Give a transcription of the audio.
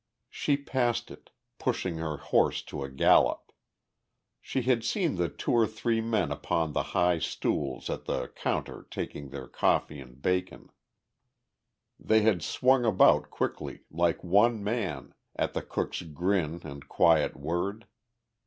She passed it, pushing her horse to a gallop. She had seen the two or three men upon the high stools at the counter taking their coffee and bacon. They had swung about quickly, like one man, at the cook's grin and quiet word.